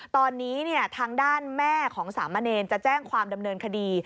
ตอนนี้ทางด้านแม่ของสามเณรจะแจ้งความดำเนินคดี